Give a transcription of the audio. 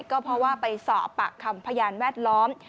ก็เพราะว่าไปสอบปากคำพยานแวดล้อม